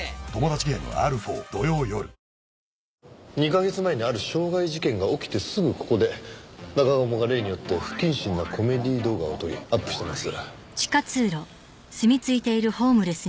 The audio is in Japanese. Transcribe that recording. ２カ月前にある傷害事件が起きてすぐここで中鴨が例によって不謹慎なコメディー動画を撮りアップしてます。